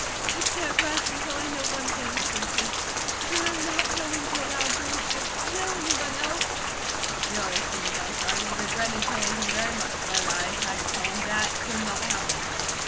"I can't rest until I know one thing," said Kate. "You're not going to allow George to kill any one else?" "No," said the doctor. "I regretted telling him very much; but I had to tell him THAT could not happen."